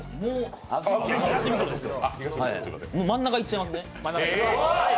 真ん中いっちゃいますね。